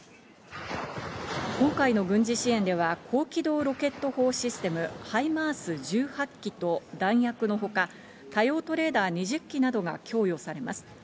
今回の軍事支援では高機動ロケット砲システムＨＩＭＡＲＳ１８基と弾薬のほか、多用途レーダー２０基などが供与されます。